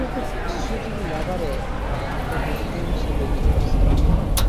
শিশু যদি না বাড়ে তো বুঝিতে হইবে সে ব্যাধিগ্রস্ত।